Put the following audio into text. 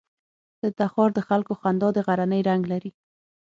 د تخار د خلکو خندا د غرنی رنګ لري.